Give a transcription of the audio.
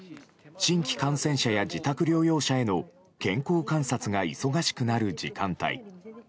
新規感染者や自宅療養者への健康観察が忙しくなる時間帯